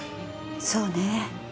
そうね。